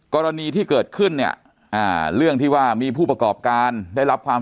กรณีที่เกิดขึ้นเนี่ยเรื่องที่ว่ามีผู้ประกอบการได้รับความ